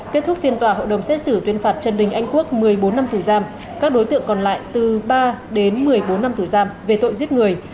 kết thúc phiên tòa hội đồng xét xử tuyên phạt trần đình anh quốc một mươi bốn năm tù giam các đối tượng còn lại từ ba đến một mươi bốn năm tù giam về tội giết người